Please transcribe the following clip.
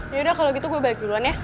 yaudah kalau gitu gue balik duluan ya